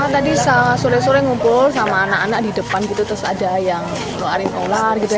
tadi sore sore ngumpul sama anak anak di depan gitu terus ada yang keluarin ular gitu